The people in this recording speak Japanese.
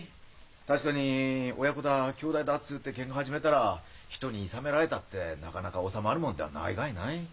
確かに親子だ兄弟だっつってケンカ始めたら人にいさめられたってなかなか収まるもんではないがんない。